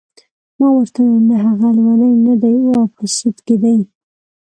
ما ورته وویل نه هغه لیونی نه دی او په سد کې دی.